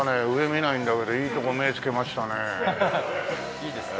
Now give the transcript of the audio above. いいですね。